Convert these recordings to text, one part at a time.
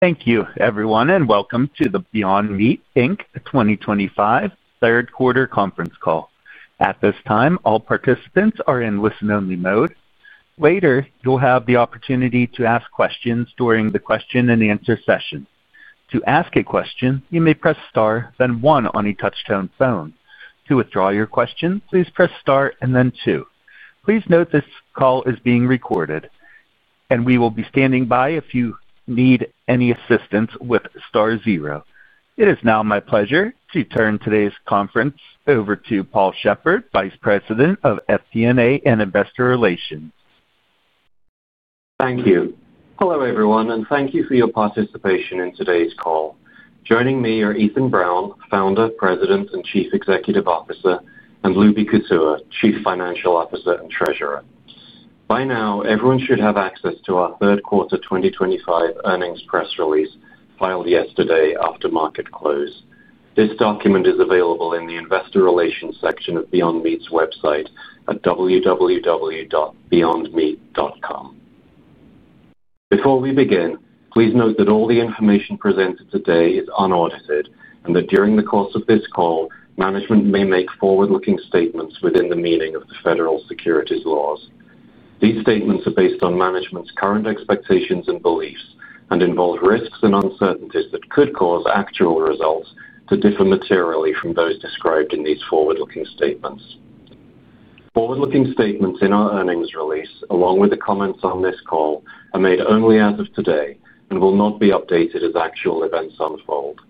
Thank you, everyone, and welcome to the Beyond Meat 2025 third quarter conference call. At this time, all participants are in listen-only mode. Later, you'll have the opportunity to ask questions during the question-and-answer session. To ask a question, you may press star, then one on a touch-tone phone. To withdraw your question, please press star and then two. Please note this call is being recorded, and we will be standing by if you need any assistance with star zero. It is now my pleasure to turn today's conference over to Paul Shepherd, Vice President of FP&A and Investor Relations. Thank you. Hello, everyone, and thank you for your participation in today's call. Joining me are Ethan Brown, Founder, President, and Chief Executive Officer, and Lubi Kutua, Chief Financial Officer and Treasurer. By now, everyone should have access to our third quarter 2025 earnings press release filed yesterday after market close. This document is available in the Investor Relations section of Beyond Meat's website at www.beyondmeat.com. Before we begin, please note that all the information presented today is unaudited and that during the course of this call, management may make forward-looking statements within the meaning of the federal securities laws. These statements are based on management's current expectations and beliefs and involve risks and uncertainties that could cause actual results to differ materially from those described in these forward-looking statements. Forward-looking statements in our earnings release, along with the comments on this call, are made only as of today and will not be updated as actual events unfold.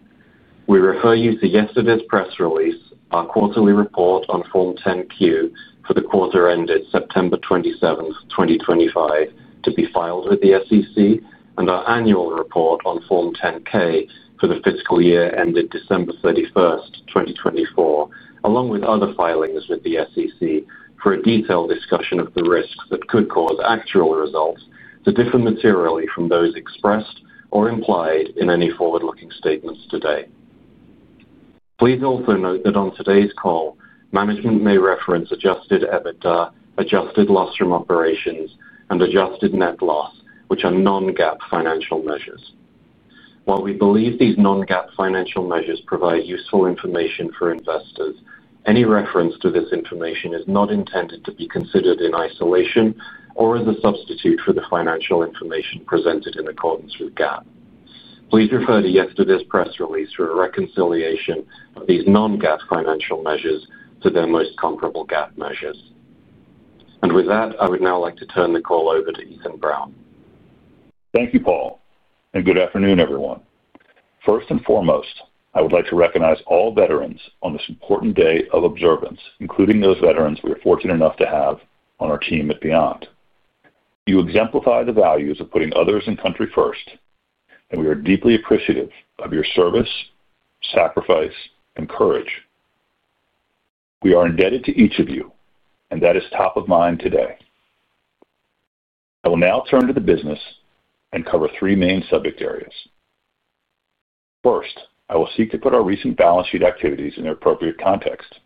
We refer you to yesterday's press release, our quarterly report on Form 10-Q for the quarter ended September 27, 2025, to be filed with the SEC, and our annual report on Form 10-K for the fiscal year ended December 31, 2024, along with other filings with the SEC for a detailed discussion of the risks that could cause actual results to differ materially from those expressed or implied in any forward-looking statements today. Please also note that on today's call, management may reference adjusted EBITDA, adjusted loss from operations, and adjusted net loss, which are non-GAAP financial measures. While we believe these non-GAAP financial measures provide useful information for investors, any reference to this information is not intended to be considered in isolation or as a substitute for the financial information presented in accordance with GAAP. Please refer to yesterday's press release for a reconciliation of these non-GAAP financial measures to their most comparable GAAP measures. I would now like to turn the call over to Ethan Brown. Thank you, Paul, and good afternoon, everyone. First and foremost, I would like to recognize all veterans on this important day of observance, including those veterans we are fortunate enough to have on our team at Beyond. You exemplify the values of putting others and country first, and we are deeply appreciative of your service, sacrifice, and courage. We are indebted to each of you, and that is top of mind today. I will now turn to the business and cover three main subject areas. First, I will seek to put our recent balance sheet activities in their appropriate context.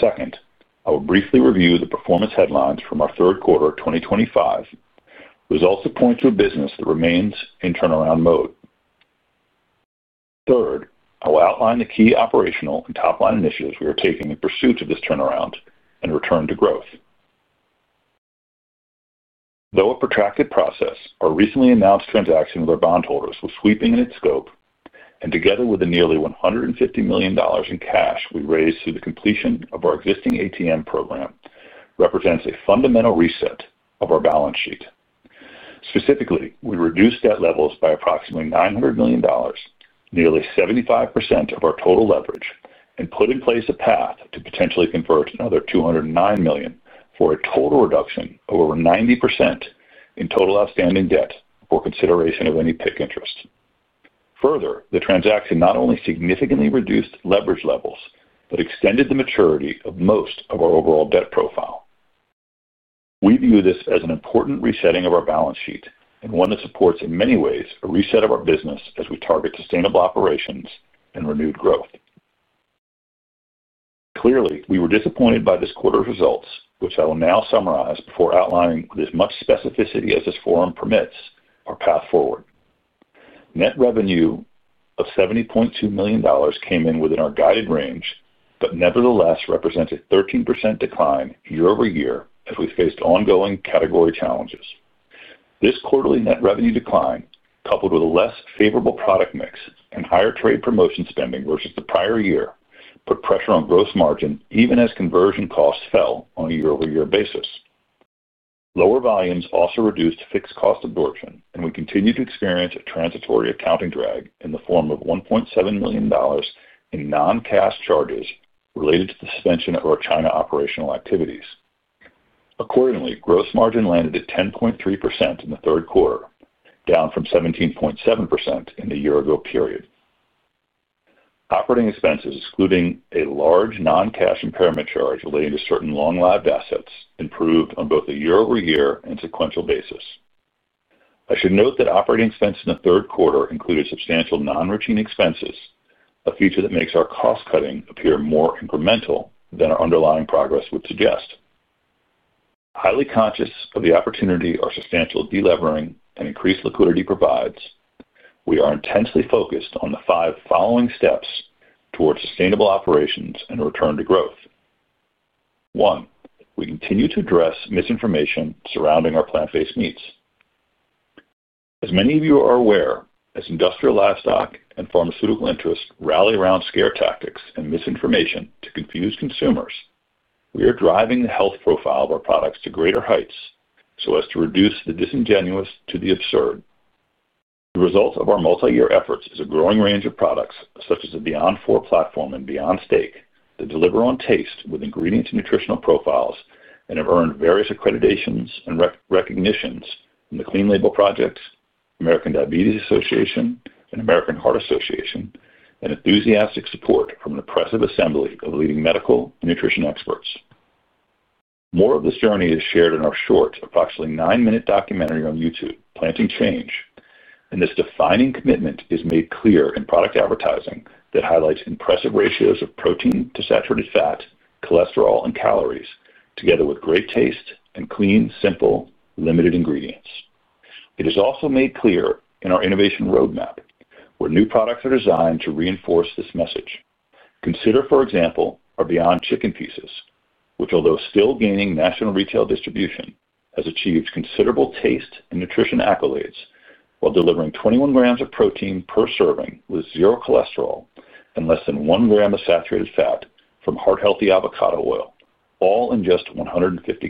Second, I will briefly review the performance headlines from our third quarter of 2025, which also point to a business that remains in turnaround mode. Third, I will outline the key operational and top-line initiatives we are taking in pursuit of this turnaround and return to growth. Though a protracted process, our recently announced transaction with our bondholders was sweeping in its scope, and together with the nearly $150 million in cash we raised through the completion of our existing ATM program, it represents a fundamental reset of our balance sheet. Specifically, we reduced debt levels by approximately $900 million, nearly 75% of our total leverage, and put in place a path to potentially convert another $209 million for a total reduction of over 90% in total outstanding debt for consideration of any PIC interest. Further, the transaction not only significantly reduced leverage levels but extended the maturity of most of our overall debt profile. We view this as an important resetting of our balance sheet and one that supports, in many ways, a reset of our business as we target sustainable operations and renewed growth. Clearly, we were disappointed by this quarter's results, which I will now summarize before outlining with as much specificity as this forum permits our path forward. Net revenue of $70.2 million came in within our guided range but nevertheless represented a 13% decline year over-year as we faced ongoing category challenges. This quarterly net revenue decline, coupled with a less favorable product mix and higher trade promotion spending versus the prior year, put pressure on gross margin even as conversion costs fell on a year-over-year basis. Lower volumes also reduced fixed cost absorption, and we continued to experience a transitory accounting drag in the form of $1.7 million in non-cash charges related to the suspension of our China operational activities. Accordingly, gross margin landed at 10.3% in the third quarter, down from 17.7% in the year-ago period. Operating expenses, excluding a large non-cash impairment charge relating to certain long-lived assets, improved on both a year-over-year and sequential basis. I should note that operating expenses in the third quarter included substantial non-routine expenses, a feature that makes our cost cutting appear more incremental than our underlying progress would suggest. Highly conscious of the opportunity our substantial delevering and increased liquidity provides, we are intensely focused on the five following steps towards sustainable operations and return to growth. One, we continue to address misinformation surrounding our plant-based meats. As many of you are aware, as industrial livestock and pharmaceutical interests rally around scare tactics and misinformation to confuse consumers, we are driving the health profile of our products to greater heights so as to reduce the disingenuous to the absurd. The result of our multi-year efforts is a growing range of products such as the Beyond Four platform and Beyond Steak that deliver on taste with ingredients and nutritional profiles and have earned various accreditations and recognitions from the Clean Label Project, American Diabetes Association, and American Heart Association, and enthusiastic support from an impressive assembly of leading medical and nutrition experts. More of this journey is shared in our short, approximately nine-minute documentary on YouTube, Planting Change. This defining commitment is made clear in product advertising that highlights impressive ratios of protein to saturated fat, cholesterol, and calories, together with great taste and clean, simple, limited ingredients. It is also made clear in our innovation roadmap where new products are designed to reinforce this message. Consider, for example, our Beyond Chicken Pieces, which, although still gaining national retail distribution, has achieved considerable taste and nutrition accolades while delivering 21 g of protein per serving with zero cholesterol and less than one gram of saturated fat from heart-healthy avocado oil, all in just 150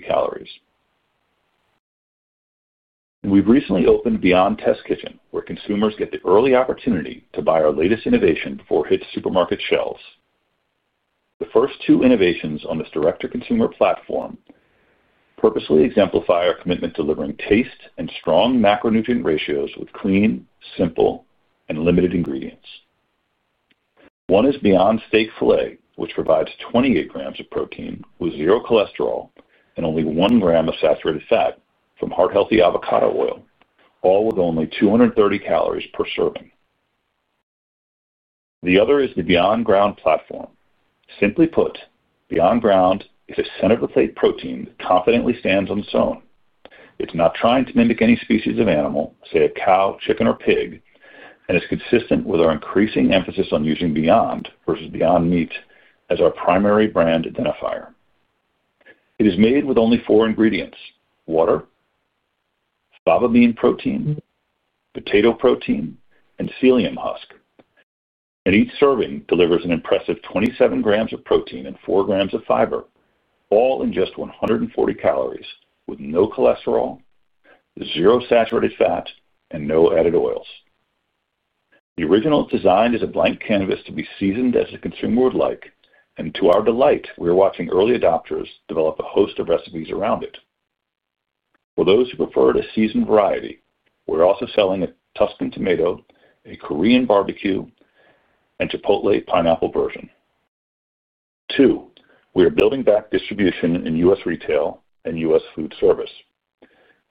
kcal. We've recently opened Beyond Test Kitchen, where consumers get the early opportunity to buy our latest innovation before it hits supermarket shelves. The first two innovations on this direct-to-consumer platform purposely exemplify our commitment to delivering taste and strong macronutrient ratios with clean, simple, and limited ingredients. One is Beyond Steak Filet, which provides 28 g of protein with zero cholesterol and only one gram of saturated fat from heart-healthy avocado oil, all with only 230 calories per serving. The other is the Beyond Ground platform. Simply put, Beyond Ground is a center-of-the-plate protein that confidently stands on its own. It's not trying to mimic any species of animal, say a cow, chicken, or pig, and is consistent with our increasing emphasis on using Beyond versus Beyond Meat as our primary brand identifier. It is made with only four ingredients: water, fava bean protein, potato protein, and psyllium husk. Each serving delivers an impressive 27 grams of protein and 4 grams of fiber, all in just 140 calories, with no cholesterol, zero saturated fat, and no added oils. The original is designed as a blank canvas to be seasoned as the consumer would like, and to our delight, we're watching early adopters develop a host of recipes around it. For those who prefer a seasoned variety, we're also selling a Tuscan tomato, a Korean barbecue, and Chipotle pineapple version. Two, we are building back distribution in U.S. retail and U.S. food service.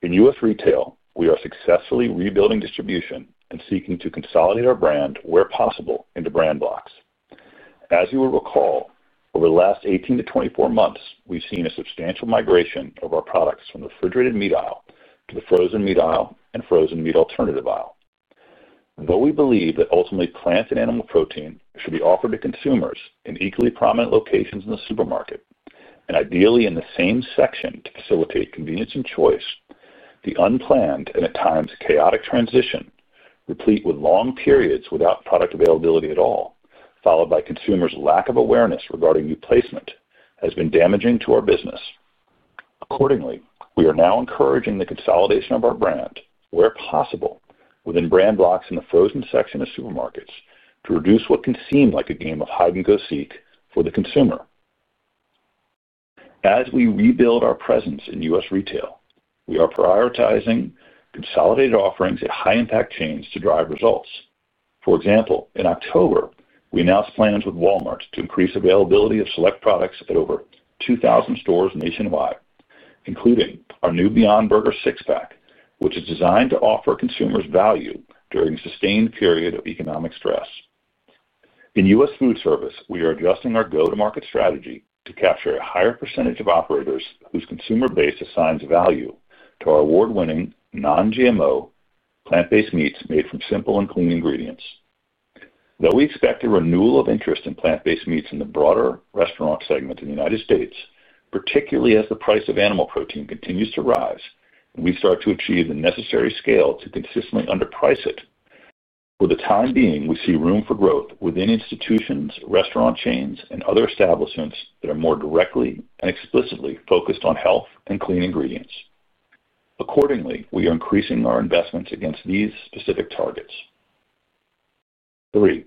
In U.S. Retail, we are successfully rebuilding distribution and seeking to consolidate our brand where possible into brand blocks. As you will recall, over the last 18 to 24 months, we've seen a substantial migration of our products from the refrigerated meat aisle to the frozen meat aisle and frozen meat alternative aisle. Though we believe that ultimately plant and animal protein should be offered to consumers in equally prominent locations in the supermarket and ideally in the same section to facilitate convenience and choice, the unplanned and at times chaotic transition, replete with long periods without product availability at all, followed by consumers' lack of awareness regarding new placement, has been damaging to our business. Accordingly, we are now encouraging the consolidation of our brand where possible within brand blocks in the frozen section of supermarkets to reduce what can seem like a game of hide-and-go-seek for the consumer. As we rebuild our presence in U.S. retail, we are prioritizing consolidated offerings at high-impact chains to drive results. For example, in October, we announced plans with Walmart to increase availability of select products at over 2,000 stores nationwide, including our new Beyond Burger Six-Pack, which is designed to offer consumers value during a sustained period of economic stress. In U.S. food service, we are adjusting our go-to-market strategy to capture a higher percentage of operators whose consumer base assigns value to our award-winning non-GMO plant-based meats made from simple and clean ingredients. Though we expect a renewal of interest in plant-based meats in the broader restaurant segment in the U.S., particularly as the price of animal protein continues to rise and we start to achieve the necessary scale to consistently underprice it, for the time being, we see room for growth within institutions, restaurant chains, and other establishments that are more directly and explicitly focused on health and clean ingredients. Accordingly, we are increasing our investments against these specific targets. Three,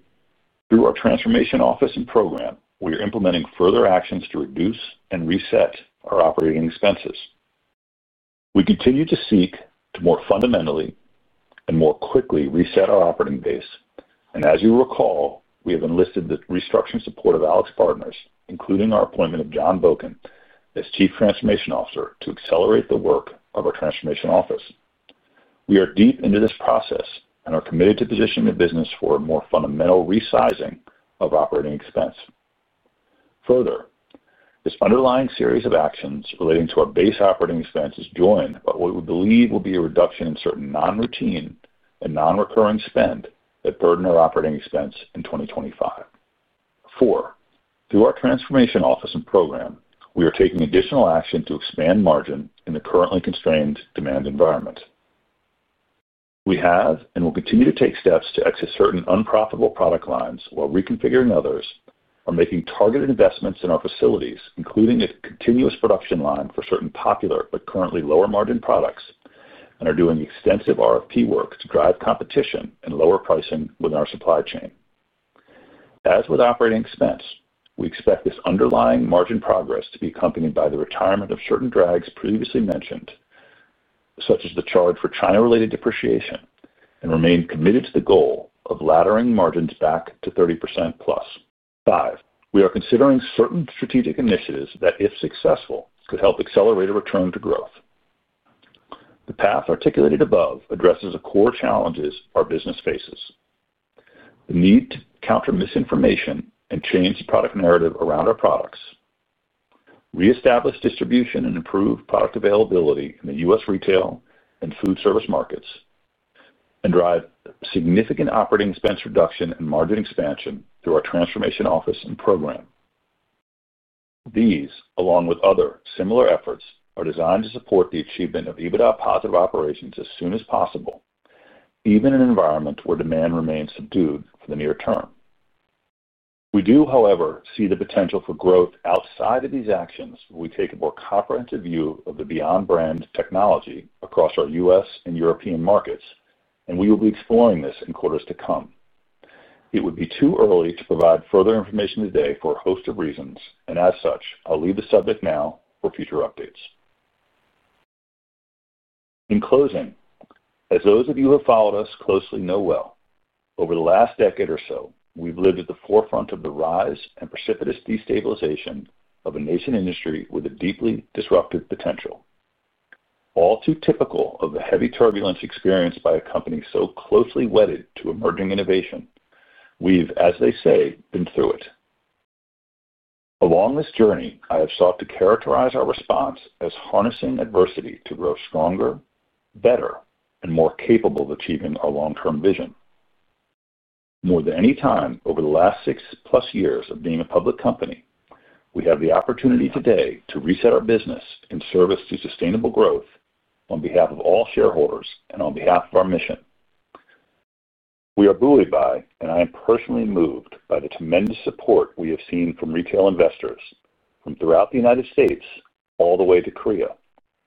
through our transformation office and program, we are implementing further actions to reduce and reset our operating expenses. We continue to seek to more fundamentally and more quickly reset our operating base. As you recall, we have enlisted the restructuring support of AlixPartners, including our appointment of John Boken as Chief Transformation Officer to accelerate the work of our Transformation Office. We are deep into this process and are committed to positioning the business for a more fundamental resizing of operating expense. Further, this underlying series of actions relating to our base operating expenses joined what we believe will be a reduction in certain non-routine and non-recurring spend that burden our operating expense in 2025. Four, through our transformation office and program, we are taking additional action to expand margin in the currently constrained demand environment. We have and will continue to take steps to exit certain unprofitable product lines while reconfiguring others or making targeted investments in our facilities, including a continuous production line for certain popular but currently lower-margin products, and are doing extensive RFP work to drive competition and lower pricing within our supply chain. As with operating expense, we expect this underlying margin progress to be accompanied by the retirement of certain drags previously mentioned, such as the charge for China-related depreciation, and remain committed to the goal of laddering margins back to 30% plus. Five, we are considering certain strategic initiatives that, if successful, could help accelerate a return to growth. The path articulated above addresses the core challenges our business faces: the need to counter misinformation and change the product narrative around our products, reestablish distribution and improve product availability in the U.S. retail and food service markets, and drive significant operating expense reduction and margin expansion through our transformation office and program. These, along with other similar efforts, are designed to support the achievement of EBITDA-positive operations as soon as possible, even in an environment where demand remains subdued for the near term. We do, however, see the potential for growth outside of these actions when we take a more comprehensive view of the Beyond brand technology across our U.S. and European markets, and we will be exploring this in quarters to come. It would be too early to provide further information today for a host of reasons, and as such, I'll leave the subject now for future updates. In closing, as those of you who have followed us closely know well, over the last decade or so, we've lived at the forefront of the rise and precipitous destabilization of a nascent industry with a deeply disruptive potential. All too typical of the heavy turbulence experienced by a company so closely wedded to emerging innovation, we've, as they say, been through it. Along this journey, I have sought to characterize our response as harnessing adversity to grow stronger, better, and more capable of achieving our long-term vision. More than any time over the last six-plus years of being a public company, we have the opportunity today to reset our business in service to sustainable growth on behalf of all shareholders and on behalf of our mission. We are buoyed by, and I am personally moved by, the tremendous support we have seen from retail investors from throughout the United States all the way to Korea,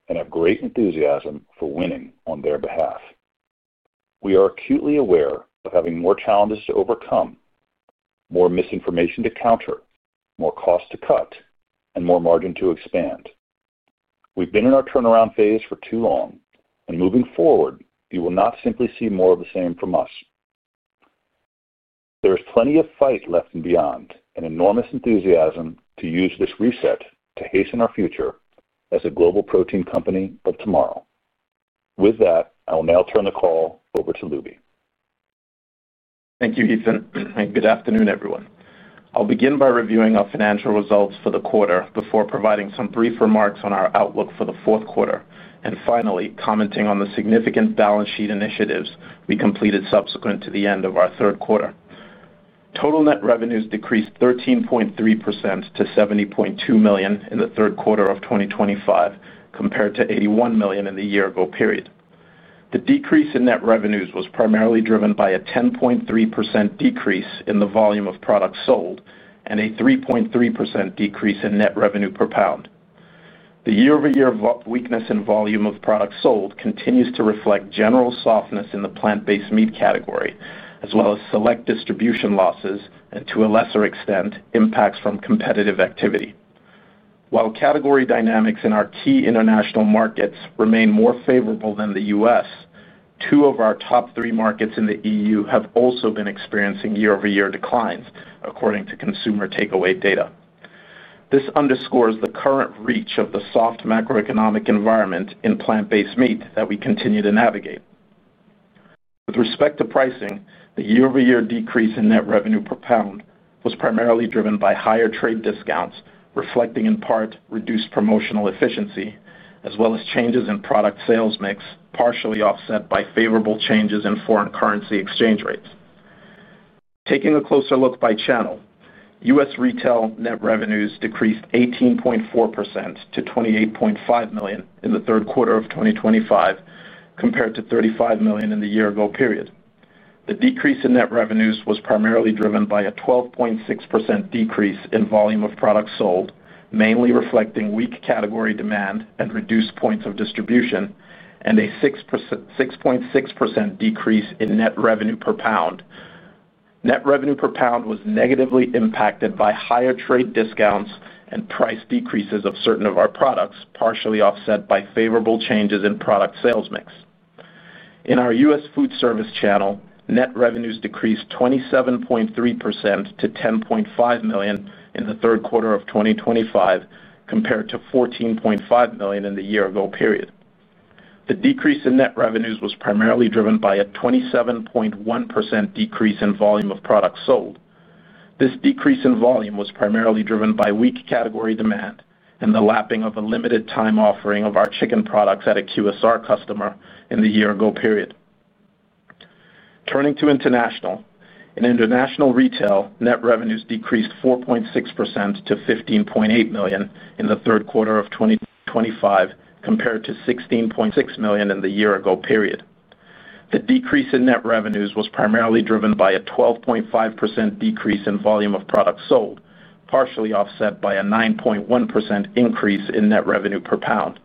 and have great enthusiasm for winning on their behalf. We are acutely aware of having more challenges to overcome, more misinformation to counter, more costs to cut, and more margin to expand. We've been in our turnaround phase for too long, and moving forward, you will not simply see more of the same from us. There is plenty of fight left in Beyond and enormous enthusiasm to use this reset to hasten our future as a global protein company of tomorrow. With that, I will now turn the call over to Lubi. Thank you, Ethan. And good afternoon, everyone. I'll begin by reviewing our financial results for the quarter before providing some brief remarks on our outlook for the fourth quarter, and finally, commenting on the significant balance sheet initiatives we completed subsequent to the end of our third quarter. Total net revenues decreased 13.3% to $70.2 million in the third quarter of 2025 compared to $81 million in the year-ago period. The decrease in net revenues was primarily driven by a 10.3% decrease in the volume of products sold and a 3.3% decrease in net revenue per pound. The year-over-year weakness in volume of products sold continues to reflect general softness in the plant-based meat category, as well as select distribution losses and, to a lesser extent, impacts from competitive activity. While category dynamics in our key international markets remain more favorable than the U.S., two of our top three markets in the EU have also been experiencing year-over-year declines, according to consumer takeaway data. This underscores the current reach of the soft macroeconomic environment in plant-based meat that we continue to navigate. With respect to pricing, the year-over-year decrease in net revenue per pound was primarily driven by higher trade discounts, reflecting in part reduced promotional efficiency, as well as changes in product sales mix, partially offset by favorable changes in foreign currency exchange rates. Taking a closer look by channel, U.S. Retail net revenues decreased 18.4% to $28.5 million in the third quarter of 2025 compared to $35 million in the year-ago period. The decrease in net revenues was primarily driven by a 12.6% decrease in volume of products sold, mainly reflecting weak category demand and reduced points of distribution, and a 6.6% decrease in net revenue per pound. Net revenue per pound was negatively impacted by higher trade discounts and price decreases of certain of our products, partially offset by favorable changes in product sales mix. In our U.S. food service channel, net revenues decreased 27.3% to $10.5 million in the third quarter of 2025 compared to $14.5 million in the year-ago period. The decrease in net revenues was primarily driven by a 27.1% decrease in volume of products sold. This decrease in volume was primarily driven by weak category demand and the lapping of a limited-time offering of our chicken products at a QSR customer in the year-ago period. Turning to international, in international retail, net revenues decreased 4.6% to $15.8 million in the third quarter of 2025 compared to $16.6 million in the year-ago period. The decrease in net revenues was primarily driven by a 12.5% decrease in volume of products sold, partially offset by a 9.1% increase in net revenue per pound.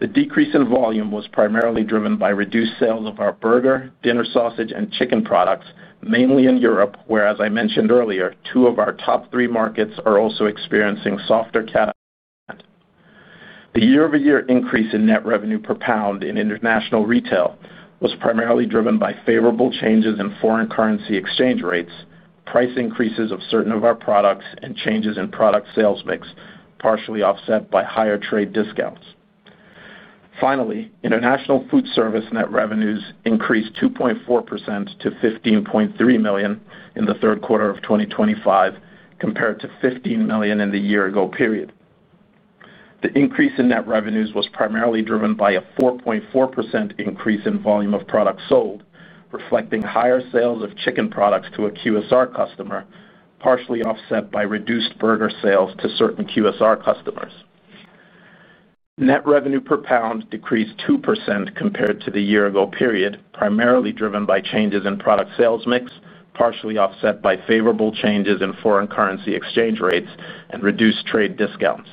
The decrease in volume was primarily driven by reduced sales of our burger, dinner sausage, and chicken products, mainly in Europe, where, as I mentioned earlier, two of our top three markets are also experiencing softer catchment. The year-over-year increase in net revenue per pound in international retail was primarily driven by favorable changes in foreign currency exchange rates, price increases of certain of our products, and changes in product sales mix, partially offset by higher trade discounts. Finally, international food service net revenues increased 2.4% to $15.3 million in the third quarter of 2025 compared to $15 million in the year-ago period. The increase in net revenues was primarily driven by a 4.4% increase in volume of products sold, reflecting higher sales of chicken products to a QSR customer, partially offset by reduced burger sales to certain QSR customers. Net revenue per pound decreased 2% compared to the year-ago period, primarily driven by changes in product sales mix, partially offset by favorable changes in foreign currency exchange rates and reduced trade discounts.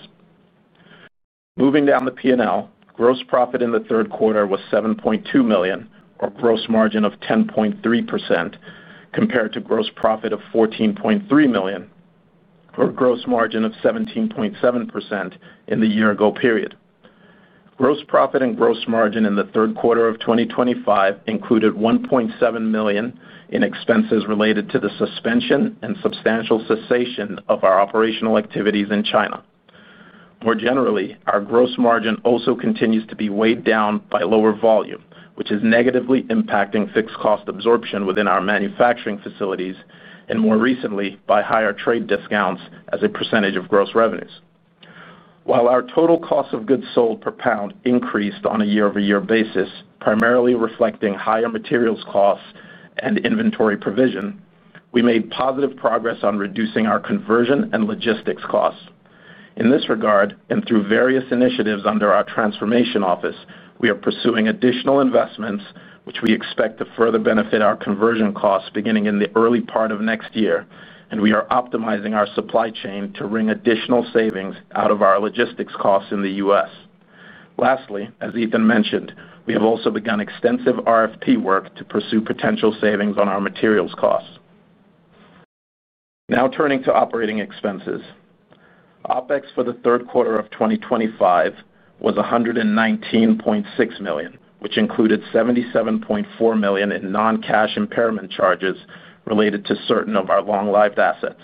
Moving down the P&L, gross profit in the third quarter was $7.2 million, or gross margin of 10.3%, compared to gross profit of $14.3 million, or gross margin of 17.7% in the year-ago period. Gross profit and gross margin in the third quarter of 2025 included $1.7 million in expenses related to the suspension and substantial cessation of our operational activities in China. More generally, our gross margin also continues to be weighed down by lower volume, which is negatively impacting fixed cost absorption within our manufacturing facilities and, more recently, by higher trade discounts as a percentage of gross revenues. While our total cost of goods sold per pound increased on a year-over-year basis, primarily reflecting higher materials costs and inventory provision, we made positive progress on reducing our conversion and logistics costs. In this regard, and through various initiatives under our transformation office, we are pursuing additional investments, which we expect to further benefit our conversion costs beginning in the early part of next year, and we are optimizing our supply chain to ring additional savings out of our logistics costs in the U.S. Lastly, as Ethan mentioned, we have also begun extensive RFP work to pursue potential savings on our materials costs. Now turning to operating expenses, OpEx for the third quarter of 2025 was $119.6 million, which included $77.4 million in non-cash impairment charges related to certain of our long-lived assets.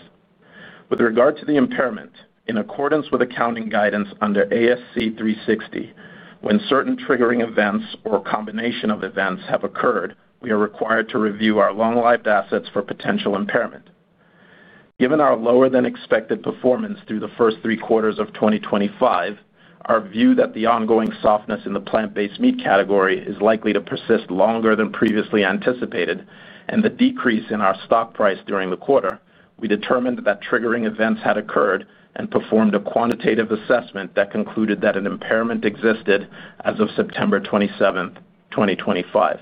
With regard to the impairment, in accordance with accounting guidance under ASC 360, when certain triggering events or a combination of events have occurred, we are required to review our long-lived assets for potential impairment. Given our lower-than-expected performance through the first three quarters of 2025, our view that the ongoing softness in the plant-based meat category is likely to persist longer than previously anticipated, and the decrease in our stock price during the quarter, we determined that triggering events had occurred and performed a quantitative assessment that concluded that an impairment existed as of September 27, 2025.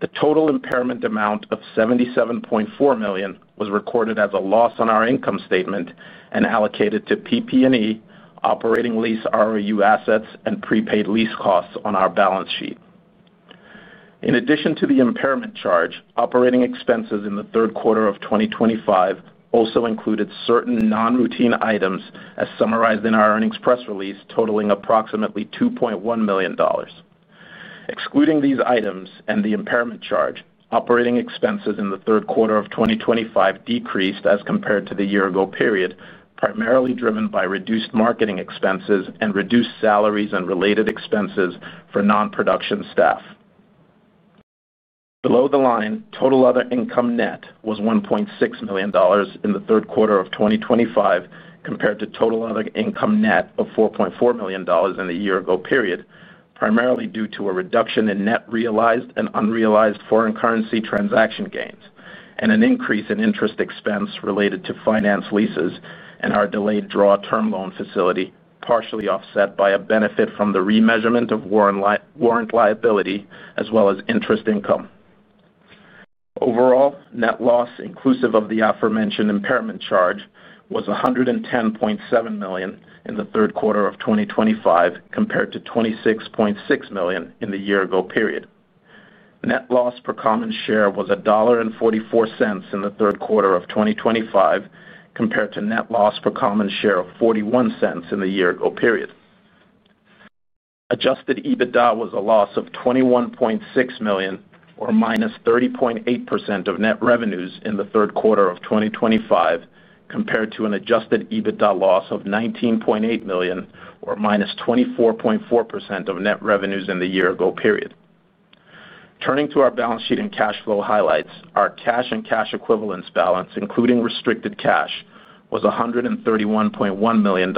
The total impairment amount of $77.4 million was recorded as a loss on our income statement and allocated to PP&E, operating lease ROU assets, and prepaid lease costs on our balance sheet. In addition to the impairment charge, operating expenses in the third quarter of 2025 also included certain non-routine items, as summarized in our earnings press release, totaling approximately $2.1 million. Excluding these items and the impairment charge, operating expenses in the third quarter of 2025 decreased as compared to the year-ago period, primarily driven by reduced marketing expenses and reduced salaries and related expenses for non-production staff. Below the line, total other income net was $1.6 million in the third quarter of 2025 compared to total other income net of $4.4 million in the year-ago period, primarily due to a reduction in net realized and unrealized foreign currency transaction gains, and an increase in interest expense related to finance leases and our delayed draw term loan facility, partially offset by a benefit from the remeasurement of warrant liability, as well as interest income. Overall, net loss, inclusive of the aforementioned impairment charge, was $110.7 million in the third quarter of 2025 compared to $26.6 million in the year-ago period. Net loss per common share was $1.44 in the third quarter of 2025 compared to net loss per common share of $0.41 in the year-ago period. Adjusted EBITDA was a loss of $21.6 million, or minus 30.8% of net revenues in the third quarter of 2025, compared to an adjusted EBITDA loss of $19.8 million, or minus 24.4% of net revenues in the year-ago period. Turning to our balance sheet and cash flow highlights, our cash and cash equivalents balance, including restricted cash, was $131.1 million,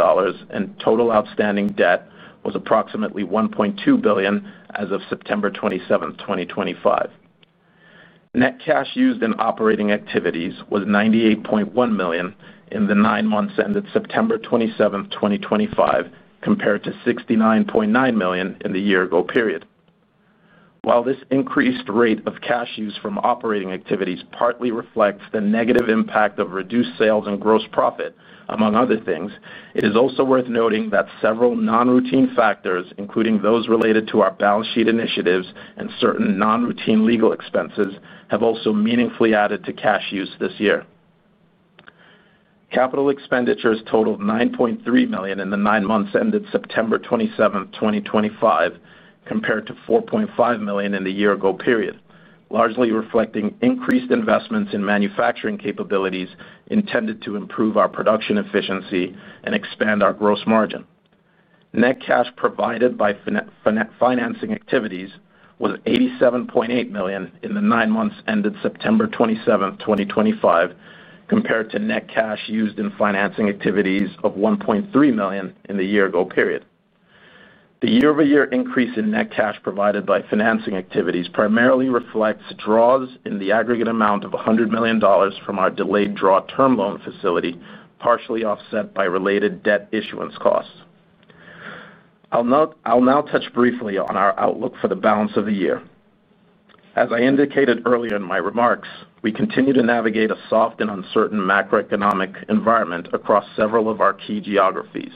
and total outstanding debt was approximately $1.2 billion as of September 27, 2025. Net cash used in operating activities was $98.1 million in the nine months ended September 27, 2025, compared to $69.9 million in the year-ago period. While this increased rate of cash use from operating activities partly reflects the negative impact of reduced sales and gross profit, among other things, it is also worth noting that several non-routine factors, including those related to our balance sheet initiatives and certain non-routine legal expenses, have also meaningfully added to cash use this year. Capital expenditures totaled $9.3 million in the nine months ended September 27, 2025, compared to $4.5 million in the year-ago period, largely reflecting increased investments in manufacturing capabilities intended to improve our production efficiency and expand our gross margin. Net cash provided by financing activities was $87.8 million in the nine months ended September 27, 2025, compared to net cash used in financing activities of $1.3 million in the year-ago period. The year-over-year increase in net cash provided by financing activities primarily reflects draws in the aggregate amount of $100 million from our delayed draw term loan facility, partially offset by related debt issuance costs. I'll now touch briefly on our outlook for the balance of the year. As I indicated earlier in my remarks, we continue to navigate a soft and uncertain macroeconomic environment across several of our key geographies.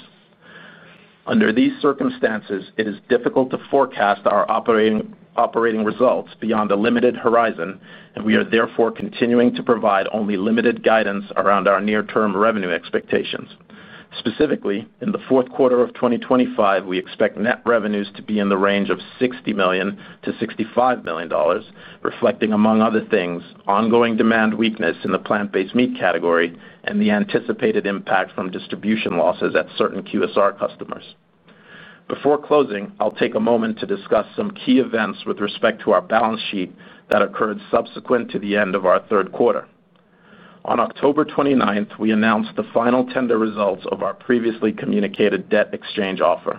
Under these circumstances, it is difficult to forecast our operating results beyond a limited horizon, and we are therefore continuing to provide only limited guidance around our near-term revenue expectations. Specifically, in the fourth quarter of 2025, we expect net revenues to be in the range of $60 million-$65 million, reflecting, among other things, ongoing demand weakness in the plant-based meat category and the anticipated impact from distribution losses at certain QSR customers. Before closing, I'll take a moment to discuss some key events with respect to our balance sheet that occurred subsequent to the end of our third quarter. On October 29th, we announced the final tender results of our previously communicated debt exchange offer.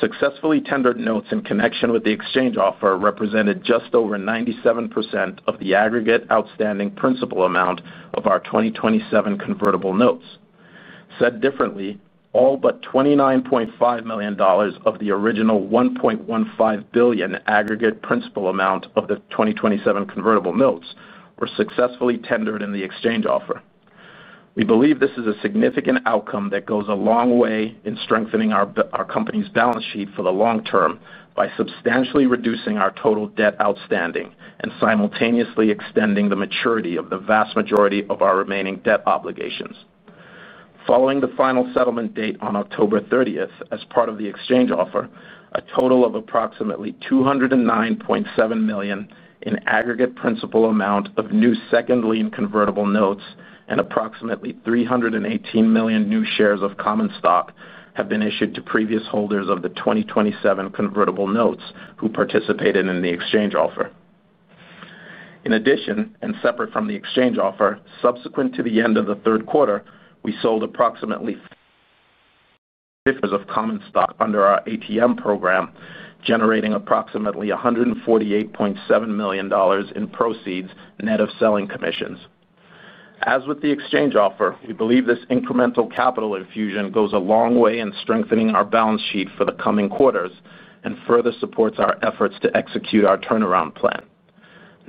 Successfully tendered notes in connection with the exchange offer represented just over 97% of the aggregate outstanding principal amount of our 2027 convertible notes. Said differently, all but $29.5 million of the original $1.15 billion aggregate principal amount of the 2027 convertible notes were successfully tendered in the exchange offer. We believe this is a significant outcome that goes a long way in strengthening our company's balance sheet for the long term by substantially reducing our total debt outstanding and simultaneously extending the maturity of the vast majority of our remaining debt obligations. Following the final settlement date on October 30th as part of the exchange offer, a total of approximately $209.7 million in aggregate principal amount of new second lien convertible notes and approximately $318 million new shares of common stock have been issued to previous holders of the 2027 convertible notes who participated in the exchange offer. In addition, and separate from the exchange offer, subsequent to the end of the third quarter, we sold approximately 50 shares of common stock under our ATM program, generating approximately $148.7 million in proceeds net of selling commissions. As with the exchange offer, we believe this incremental capital infusion goes a long way in strengthening our balance sheet for the coming quarters and further supports our efforts to execute our turnaround plan.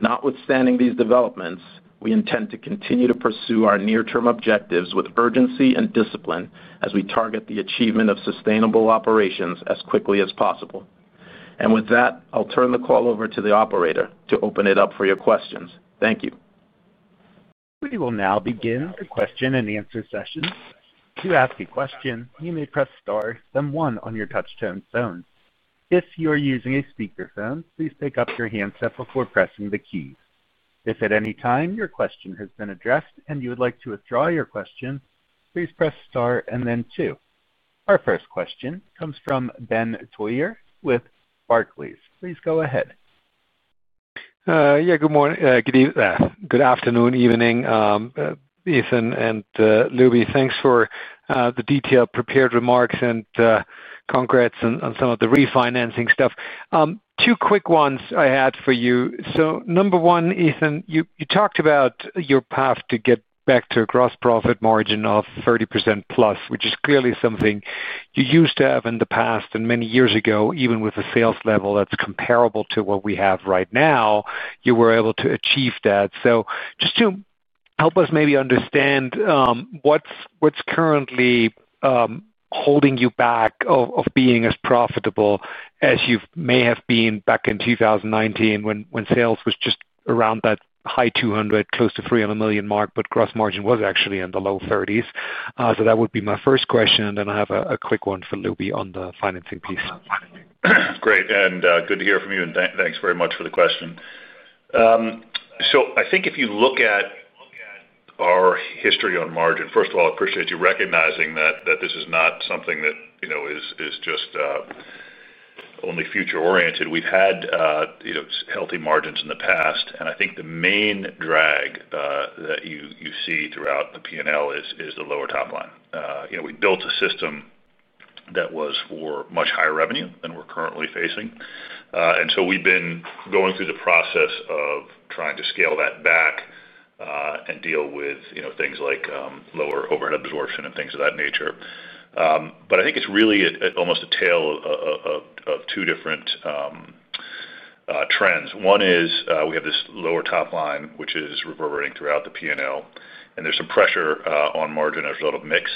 Notwithstanding these developments, we intend to continue to pursue our near-term objectives with urgency and discipline as we target the achievement of sustainable operations as quickly as possible. With that, I'll turn the call over to the operator to open it up for your questions. Thank you. We will now begin the question and answer session. To ask a question, you may press star then one on your touch-tone phone. If you are using a speakerphone, please pick up your handset before pressing the keys. If at any time your question has been addressed and you would like to withdraw your question, please press star and then two. Our first question comes from Ben Theurer with Barclays. Please go ahead. Yeah, good morning. Good afternoon, evening, Ethan and Lubi. Thanks for the detailed prepared remarks and congrats on some of the refinancing stuff. Two quick ones I had for you. Number one, Ethan, you talked about your path to get back to a gross profit margin of 30% plus, which is clearly something you used to have in the past and many years ago, even with a sales level that's comparable to what we have right now, you were able to achieve that. Just to help us maybe understand what's currently holding you back from being as profitable as you may have been back in 2019 when sales was just around that high $200 million, close to $300 million mark, but gross margin was actually in the low 30s. That would be my first question, and then I have a quick one for Lubi on the financing piece. Great. Good to hear from you, and thanks very much for the question. I think if you look at our history on margin, first of all, I appreciate you recognizing that this is not something that is just only future-oriented. We've had healthy margins in the past, and I think the main drag that you see throughout the P&L is the lower top line. We built a system that was for much higher revenue than we're currently facing. We've been going through the process of trying to scale that back and deal with things like lower overhead absorption and things of that nature. I think it's really almost a tale of two different trends. One is we have this lower top line, which is reverberating throughout the P&L, and there's some pressure on margin as a result of mix.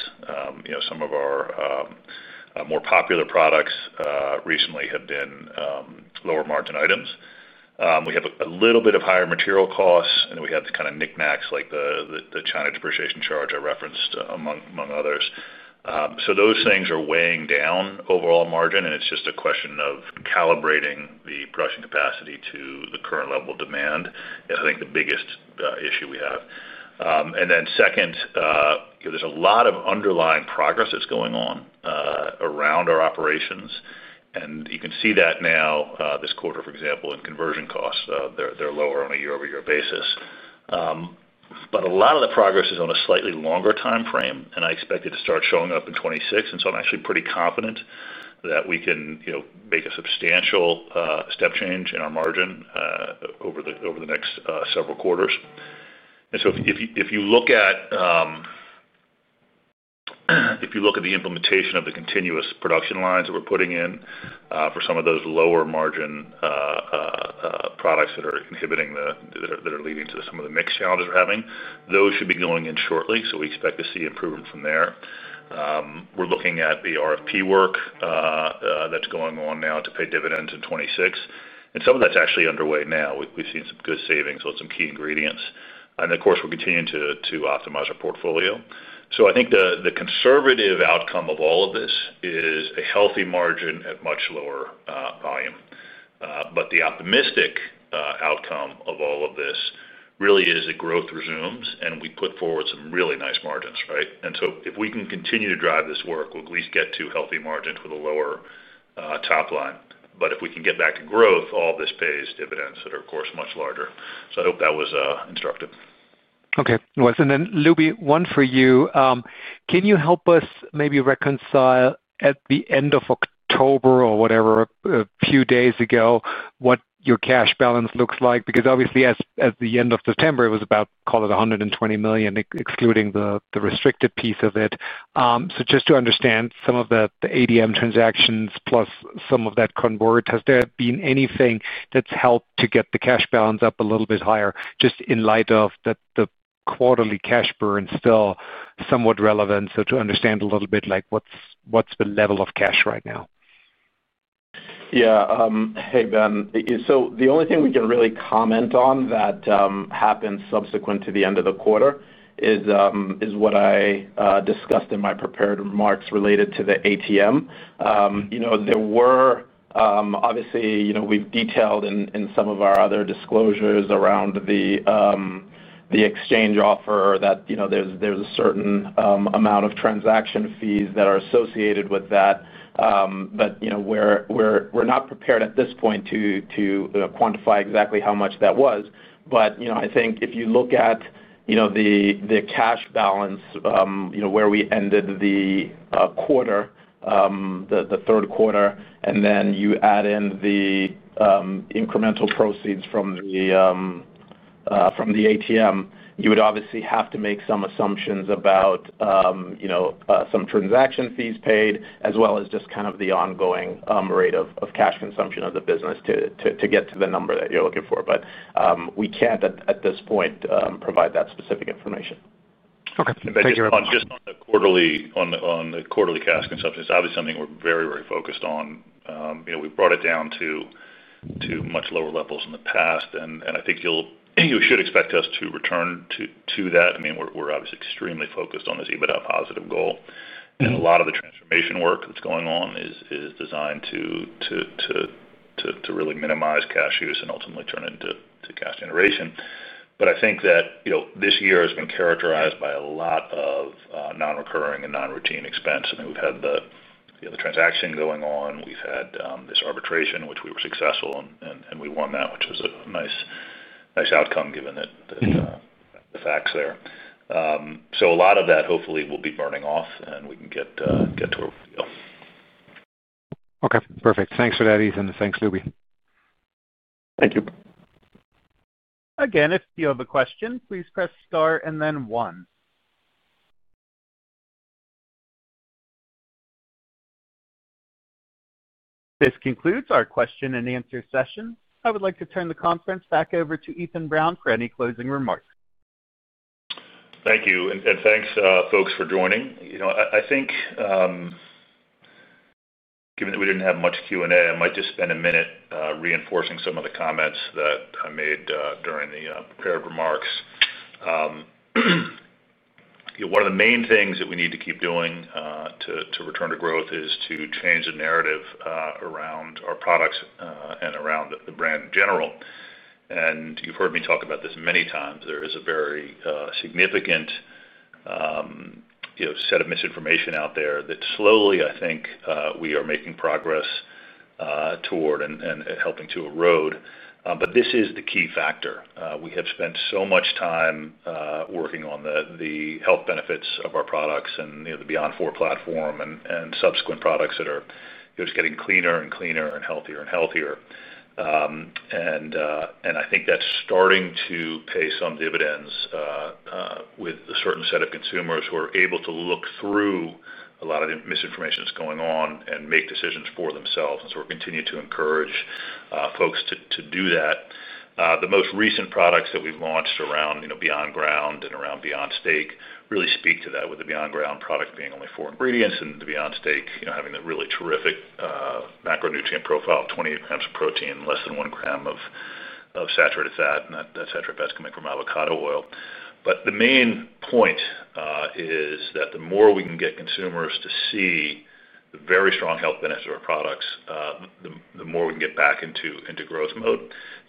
Some of our more popular products recently have been lower margin items. We have a little bit of higher material costs, and then we have the kind of knickknacks like the China depreciation charge I referenced, among others. Those things are weighing down overall margin, and it's just a question of calibrating the production capacity to the current level of demand is, I think, the biggest issue we have. Second, there's a lot of underlying progress that's going on around our operations, and you can see that now this quarter, for example, in conversion costs. They're lower on a year-over-year basis. A lot of the progress is on a slightly longer time frame, and I expect it to start showing up in 2026, and I'm actually pretty confident that we can make a substantial step change in our margin over the next several quarters. If you look at the implementation of the continuous production lines that we're putting in for some of those lower margin products that are inhibiting, that are leading to some of the mixed challenges we're having, those should be going in shortly. We expect to see improvement from there. We're looking at the RFP work that's going on now to pay dividends in 2026, and some of that's actually underway now. We've seen some good savings on some key ingredients. Of course, we're continuing to optimize our portfolio. I think the conservative outcome of all of this is a healthy margin at much lower volume. The optimistic outcome of all of this really is that growth resumes, and we put forward some really nice margins, right? If we can continue to drive this work, we'll at least get to healthy margins with a lower top line. If we can get back to growth, all this pays dividends that are, of course, much larger. I hope that was instructive. Okay. Lubi, one for you. Can you help us maybe reconcile at the end of October or whatever, a few days ago, what your cash balance looks like? Because obviously, at the end of September, it was about, call it $120 million, excluding the restricted piece of it. Just to understand, some of the ADM transactions plus some of that convert, has there been anything that's helped to get the cash balance up a little bit higher? Just in light of the quarterly cash burn still somewhat relevant, to understand a little bit like what's the level of cash right now. Yeah. Hey, Ben. The only thing we can really comment on that happened subsequent to the end of the quarter is what I discussed in my prepared remarks related to the ATM. Obviously, we've detailed in some of our other disclosures around the exchange offer that there's a certain amount of transaction fees that are associated with that. We're not prepared at this point to quantify exactly how much that was. I think if you look at the cash balance where we ended the quarter, the third quarter, and then you add in the incremental proceeds from the ATM, you would obviously have to make some assumptions about some transaction fees paid as well as just kind of the ongoing rate of cash consumption of the business to get the number that you're looking for. We can't, at this point, provide that specific information. Okay. Thank you. Just on the quarterly cash consumption, it's obviously something we're very, very focused on. We've brought it down to much lower levels in the past, and I think you should expect us to return to that. I mean, we're obviously extremely focused on this EBITDA positive goal. A lot of the transformation work that's going on is designed to really minimize cash use and ultimately turn it into cash generation. I think that this year has been characterized by a lot of non-recurring and non-routine expense. I mean, we've had the transaction going on. We've had this arbitration, which we were successful. We won that, which was a nice outcome given the facts there. A lot of that, hopefully, will be burning off, and we can get to where we need to go. Okay. Perfect. Thanks for that, Ethan. Thanks, Lubi. Thank you. Again, if you have a question, please press star and then one. This concludes our question and answer session. I would like to turn the conference back over to Ethan Brown for any closing remarks. Thank you. Thanks, folks, for joining. I think, given that we did not have much Q&A, I might just spend a minute reinforcing some of the comments that I made during the prepared remarks. One of the main things that we need to keep doing to return to growth is to change the narrative around our products and around the brand in general. You've heard me talk about this many times. There is a very significant set of misinformation out there that slowly, I think, we are making progress toward and helping to erode. This is the key factor. We have spent so much time working on the health benefits of our products and the Beyond Four platform and subsequent products that are just getting cleaner and cleaner and healthier and healthier. I think that's starting to pay some dividends with a certain set of consumers who are able to look through a lot of the misinformation that's going on and make decisions for themselves. We're continuing to encourage folks to do that. The most recent products that we've launched around Beyond Ground and around Beyond Steak really speak to that, with the Beyond Ground product being only four ingredients and the Beyond Steak having a really terrific macronutrient profile of 28 grams of protein, less than 1 gram of saturated fat, and that saturated fat's coming from avocado oil. The main point is that the more we can get consumers to see the very strong health benefits of our products, the more we can get back into growth mode.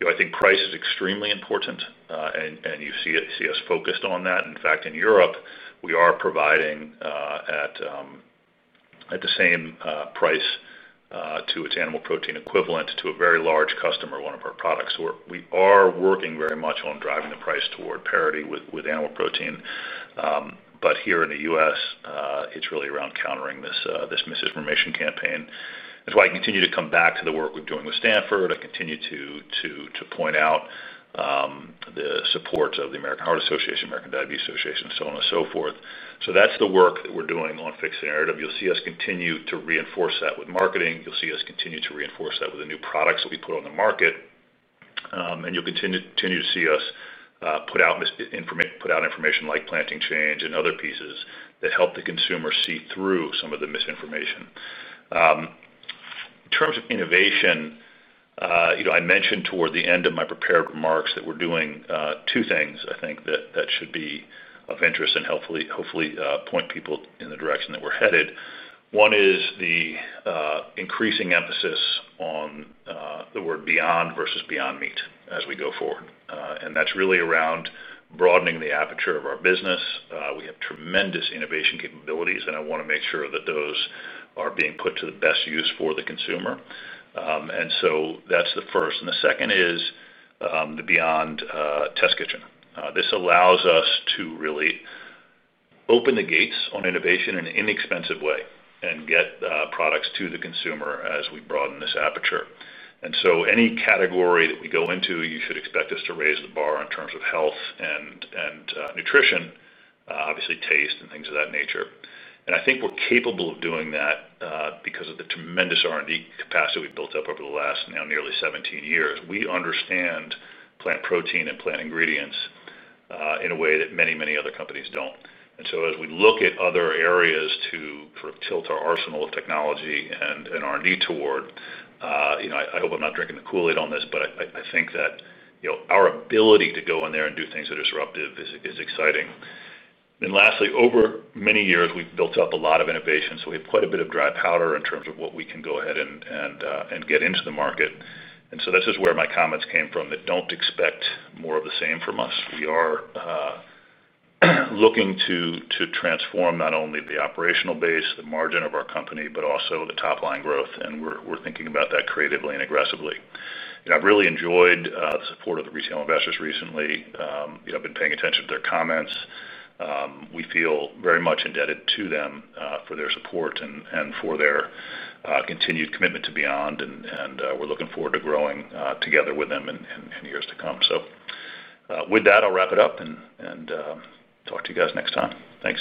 I think price is extremely important, and you see us focused on that. In fact, in Europe, we are providing at the same price to its animal protein equivalent to a very large customer, one of our products. We are working very much on driving the price toward parity with animal protein. Here in the U.S., it's really around countering this misinformation campaign. That's why I continue to come back to the work we're doing with Stanford. I continue to point out the support of the American Heart Association, American Diabetes Association, and so on and so forth. That's the work that we're doing on fixing the narrative. You'll see us continue to reinforce that with marketing. You'll see us continue to reinforce that with the new products that we put on the market. You'll continue to see us put out information like Planting Change and other pieces that help the consumer see through some of the misinformation. In terms of innovation, I mentioned toward the end of my prepared remarks that we're doing two things, I think, that should be of interest and hopefully point people in the direction that we're headed. One is the increasing emphasis on the word beyond versus Beyond Meat as we go forward. That is really around broadening the aperture of our business. We have tremendous innovation capabilities, and I want to make sure that those are being put to the best use for the consumer. That is the first. The second is the Beyond Test Kitchen. This allows us to really open the gates on innovation in an inexpensive way and get products to the consumer as we broaden this aperture. Any category that we go into, you should expect us to raise the bar in terms of health and nutrition, obviously taste and things of that nature. I think we are capable of doing that because of the tremendous R&D capacity we have built up over the last now nearly 17 years. We understand plant protein and plant ingredients in a way that many, many other companies do not. As we look at other areas to sort of tilt our arsenal of technology and R&D toward, I hope I am not drinking the Kool-Aid on this, but I think that our ability to go in there and do things that are disruptive is exciting. Lastly, over many years, we have built up a lot of innovation. We have quite a bit of dry powder in terms of what we can go ahead and get into the market. This is where my comments came from that do not expect more of the same from us. We are looking to transform not only the operational base, the margin of our company, but also the top line growth. We are thinking about that creatively and aggressively. I've really enjoyed the support of the retail investors recently. I've been paying attention to their comments. We feel very much indebted to them for their support and for their continued commitment to Beyond. We're looking forward to growing together with them in years to come. With that, I'll wrap it up and talk to you guys next time. Thanks.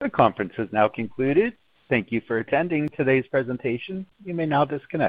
The conference has now concluded. Thank you for attending today's presentation. You may now disconnect.